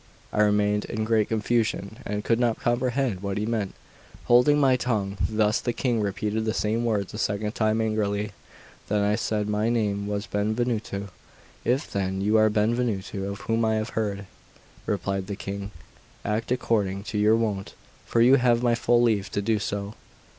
I remained in great confusion, and could not comprehend what he meant. Holding my tongue thus, the King repeated the same words a second time angrily. Then I said my name was Benvenuto. "If, then, you are the Benvenuto of whom I have heard," replied the King, "act according to your wont, for you have my full leave to do so."